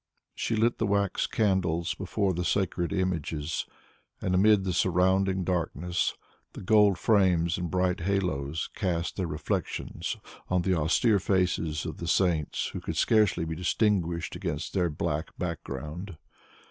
She lit the wax candles before the sacred images and amid the surrounding darkness, the gold frames, and bright haloes cast their reflections on the austere faces of the saints who could scarcely be distinguished against their black background.